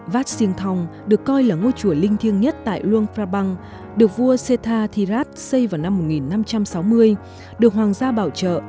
wat sinh thong được coi là ngôi chùa linh thiêng nhất tại luang prabang được vua setar thirat xây vào năm một nghìn năm trăm sáu mươi được hoàng gia bảo trợ